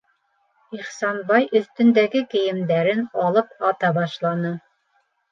Ихсанбай өҫтөндәге кейемдәрен алып ата башланы.